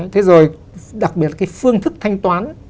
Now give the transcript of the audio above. thế rồi đặc biệt cái phương thức thanh toán